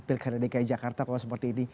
pilkada dki jakarta kalau seperti ini